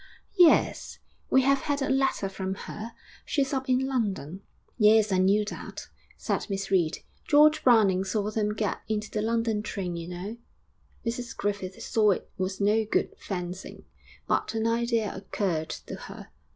'Yes, we have had a letter from her. She's up in London.' 'Yes, I knew that,' said Miss Reed. 'George Browning saw them get into the London train, you know.' Mrs Griffith saw it was no good fencing, but an idea occurred to her.